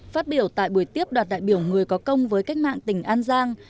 phát biểu tại buổi tiếp đoàn đại biểu người có công với cách mạng tỉnh an giang